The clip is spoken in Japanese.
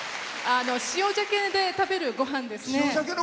塩じゃけで食べるごはんですね。